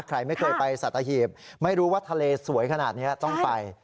ใครไม่เคยไปสัตหีบไม่รู้ว่าทะเลสวยขนาดนี้ต้องไป